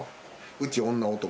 うち女・男。